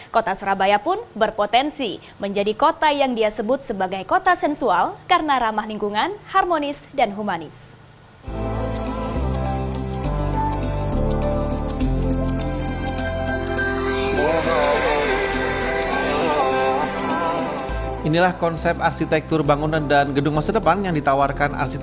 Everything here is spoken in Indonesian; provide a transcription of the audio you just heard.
kota surabaya pun berpotensi menjadi kota yang dia sebut sebagai kota sensual karena ramah lingkungan harmonis dan humanis